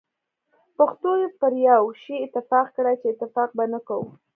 پښتنو پر یو شی اتفاق کړی چي اتفاق به نه کوو.